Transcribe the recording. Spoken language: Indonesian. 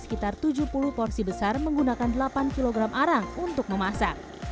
sekitar tujuh puluh porsi besar menggunakan delapan kg arang untuk memasak